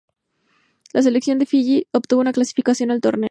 La selección de Fiyi obtuvo su clasificación al torneo.